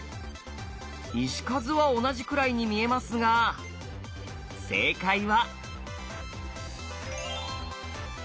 石数は同じくらいに見えますが正解は。